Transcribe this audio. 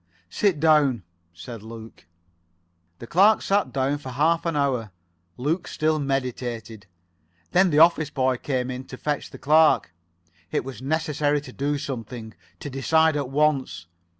"Sit down," said Luke. The clerk sat down for half an hour. Luke still meditated. Then the office boy came in to fetch the clerk. It was necessary to do something, to decide at once.